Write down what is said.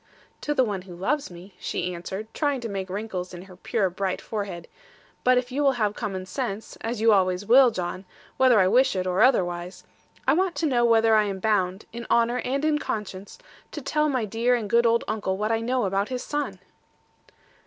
'To the one who loves me,' she answered, trying to make wrinkles in her pure bright forehead: 'but if you will have common sense, as you always will, John, whether I wish it or otherwise I want to know whether I am bound, in honour, and in conscience, to tell my dear and good old uncle what I know about his son?'